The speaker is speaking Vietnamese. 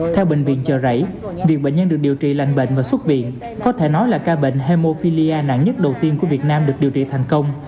theo bệnh viện chợ rẫy việc bệnh nhân được điều trị lành bệnh và xuất viện có thể nói là ca bệnh hemophilia nặng nhất đầu tiên của việt nam được điều trị thành công